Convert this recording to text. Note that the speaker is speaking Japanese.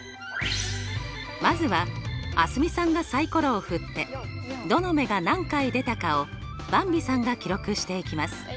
まずは蒼澄さんがサイコロを振ってどの目が何回出たかをばんびさんが記録していきます。